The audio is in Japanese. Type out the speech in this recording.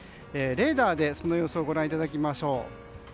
レーダーで、その様子をご覧いただきましょう。